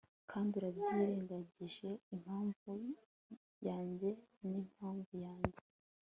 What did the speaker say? Kandi urabyirengagije impamvu yanjye nimpamvu yanjye